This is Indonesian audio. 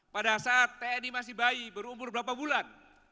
pada saat tni masih bayi berumur berapa bulan